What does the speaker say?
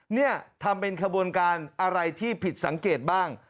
นี่ทำเป็นขบวนการอะไรที่ผิดสังเกตบ้าง